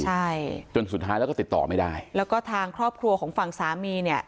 ใช่จนสุดท้ายแล้วก็ติดต่อไม่ได้แล้วก็ทางครอบครัวของฝั่งสามีเนี่ย